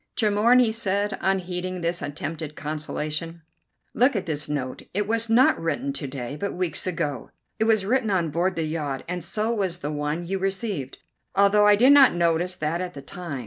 "Tremorne," he said, unheeding this attempted consolation, "look at this note. It was not written to day, but weeks ago. It was written on board the yacht, and so was the one you received, although I did not notice that at the time.